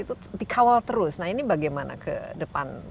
itu dikawal terus nah ini bagaimana ke depan